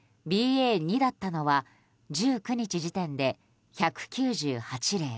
．２だったのは１９日時点で１９８例。